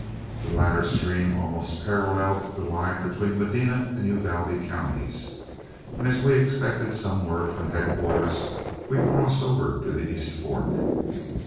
The latter stream almost paralleled the line between Medina and Uvalde counties, and as we expected some word from headquarters, we crossed over to the east fork.